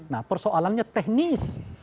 nah persoalannya teknis